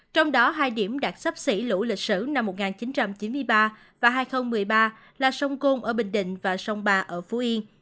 trong đó hai điểm đạt sấp xỉ lũ lịch sử năm một nghìn chín trăm chín mươi ba và hai nghìn một mươi ba là sông côn ở bình định và sông ba ở phú yên